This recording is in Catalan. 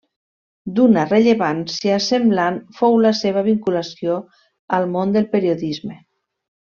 D'una rellevància semblant fou la seva vinculació al món del periodisme.